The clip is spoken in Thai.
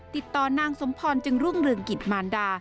นางสมพรจึงรุ่งเรืองกิจมารดา